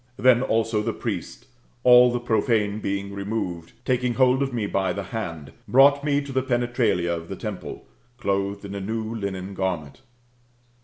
Then also the priest, all the profane being removed, taking hold of me by the hand, brought me to the penetralia of the temple, clothed in a new linen garment.